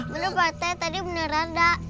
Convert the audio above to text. bener bata tadi beneran gak